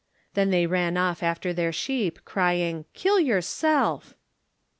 Then they ran off after their sheep, crying, "Kill yourself!"